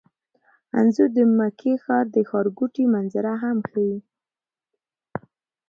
انځور د مکې ښار د ښارګوټي منظره هم ښيي.